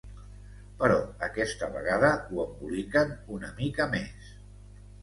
Però aquesta vegada ho emboliquen una mica més.